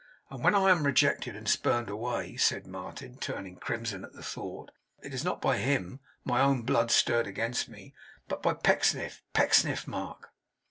And when I am rejected and spurned away,' said Martin, turning crimson at the thought, 'it is not by him; my own blood stirred against me; but by Pecksniff Pecksniff, Mark!